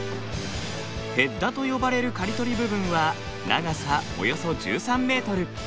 ヘッダと呼ばれる刈り取り部分は長さおよそ１３ｍ。